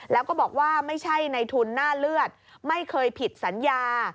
แล้วก็บอกว่าไม่ใช่ในทุนหน้าเลือดไม่เคยผิดสัญญา